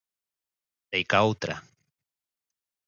Deica outra.